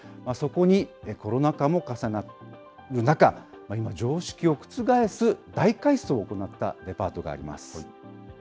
そこにコロナ禍も重なる中、今、常識を覆す大改装を行ったデパートがあります。